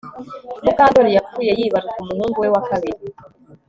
Mukandoli yapfuye yibaruka umuhungu we wa kabiri